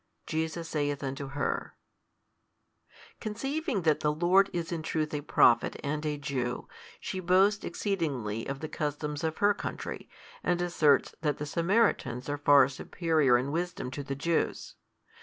Jesus saith unto her, Conceiving that the Lord is in truth a Prophet and a |211 Jew, she boasts exceedingly of the customs of her country, and asserts that the Samaritans are far superior in wisdom to the Jews.